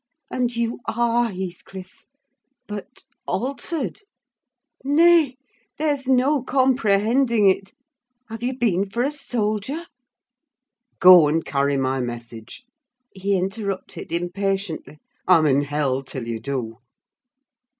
And you are Heathcliff! But altered! Nay, there's no comprehending it. Have you been for a soldier?" "Go and carry my message," he interrupted, impatiently. "I'm in hell till you do!"